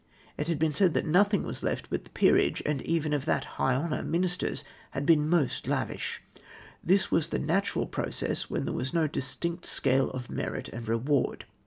It had been said that nothing Avas left but the peerage, and even of that high honour ministers had been most lavish. This was . the natural process when there was no distinct scale of merit and reward.